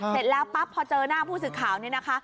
เสร็จแล้วปั๊บพอเจอหน้าผู้สื่อข่าวนี่นะคะ